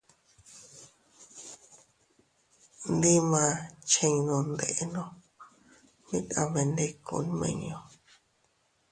Ndi ma chinno ndenno, mit a mendiku nmiñu.